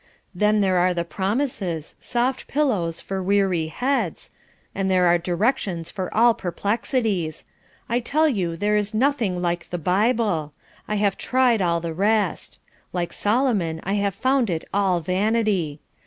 Theft there are the promises, soft pillows for weary heads, and there are directions for all perplexities. I tell you there is nothing like the Bible. I have tried all the rest. Like Solomon I have found it all vanity.